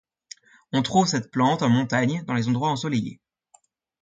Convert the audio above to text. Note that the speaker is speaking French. On trouve cette plante en montagne dans les endroits ensoleillés.